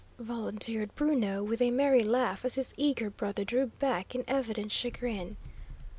volunteered Bruno, with a merry laugh, as his eager brother drew back in evident chagrin.